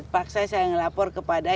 paksa saya melapor kepada